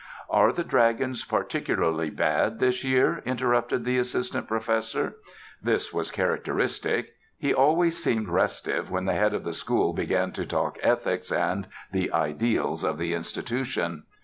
"Are the dragons particularly bad this year?" interrupted the Assistant Professor. This was characteristic. He always seemed restive when the head of the school began to talk ethics and the ideals of the institution.